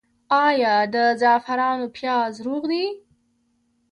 آیا د زعفرانو پیاز روغ دي؟